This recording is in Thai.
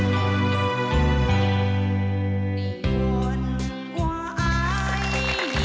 ขอบคุณครับ